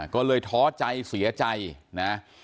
ก็เลยท้อใจเสียใจนะ